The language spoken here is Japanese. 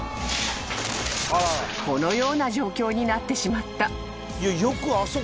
［このような状況になってしまった］